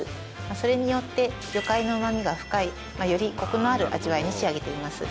それによって魚介の旨味が深いよりコクのある味わいに仕上げています